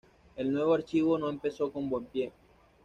El nuevo archivo no empezó con buen pie.